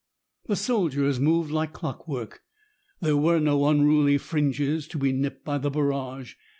The soldiers moved like clockwork. There were no unruly fringes to be nipped by the barrage.